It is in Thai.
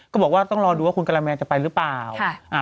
ก็บอกว่าต้องรอดูว่าคุณกะละแมนจะไปหรือเปล่า